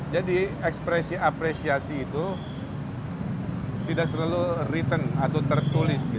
jadi ekspresi apresiasi itu tidak selalu written atau tertulis